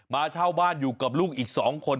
เช่าบ้านอยู่กับลูกอีก๒คน